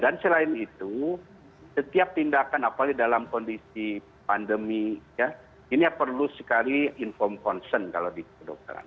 dan selain itu setiap tindakan apalagi dalam kondisi pandemi ini perlu sekali inform concern kalau diperlukan